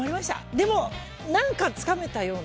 でも、何かつかめたような。